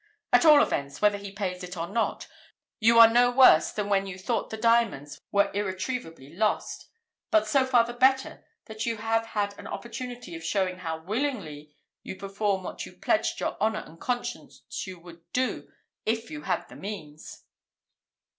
At all events, whether he pays it or not, you are no worse than when you thought the diamonds were irretrievably lost; but so far the better, that you have had an opportunity of showing how willingly you perform what you pledged your honour and conscience you would do if you had the means."